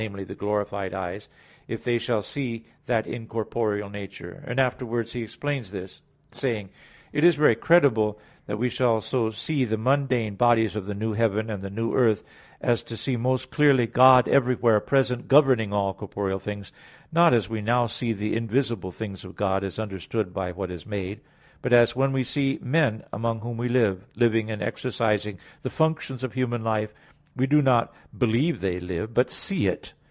the glorified eyes), if they shall see that incorporeal nature;" and afterwards he explains this, saying: "It is very credible, that we shall so see the mundane bodies of the new heaven and the new earth, as to see most clearly God everywhere present, governing all corporeal things, not as we now see the invisible things of God as understood by what is made; but as when we see men among whom we live, living and exercising the functions of human life, we do not believe they live, but see it."